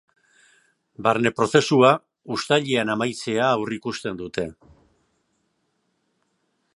Barne prozesua uztailean amaitzea aurreikusten dute.